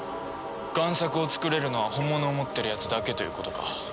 贋作を作れるのは本物を持ってるやつだけということか。